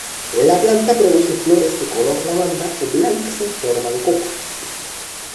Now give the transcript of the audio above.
La planta produce flores de color lavanda, o blancas en forma de copa.